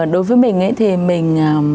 đối với mình thì mình